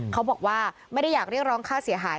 เขาบอกว่าไม่ได้อยากเรียกร้องค่าเสียหาย